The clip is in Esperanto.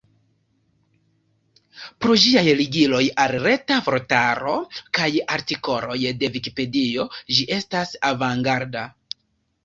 Pro ĝiaj ligiloj al Reta Vortaro kaj artikoloj de Vikipedio ĝi estas avangarda.